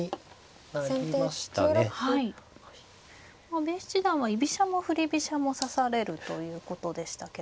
阿部七段は居飛車も振り飛車も指されるということでしたけれども。